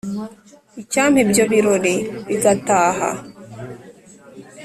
icyampa ibyo birori bigataha